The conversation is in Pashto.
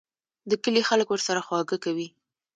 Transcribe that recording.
د کلي خلک ورسره خواږه کوي.